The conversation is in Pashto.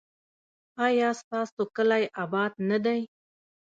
ایا ستاسو کلی اباد نه دی؟